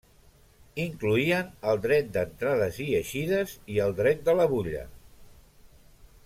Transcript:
Incloïen el dret d'entrades i eixides i el dret de la bolla.